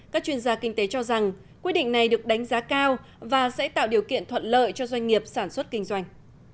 các chuyên gia kinh tế cho rằng quy định này được đánh giá cao và sẽ tạo điều kiện thuận lợi cho doanh nghiệp sản xuất kinh doanh